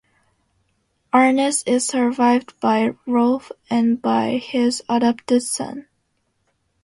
Arness is survived by Rolf and by his adopted son.